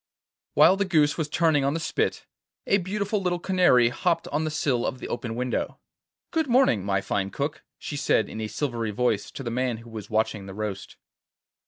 While the goose was turning on the spit, a beautiful little canary hopped on to the sill of the open window. 'Good morning, my fine cook,' she said in a silvery voice to the man who was watching the roast.